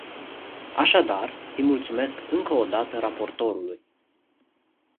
Așadar, îi mulțumesc încă o dată raportorului.